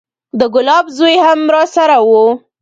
د ګلاب زوى هم راسره و.